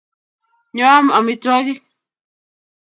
Nyoo am amitwogik.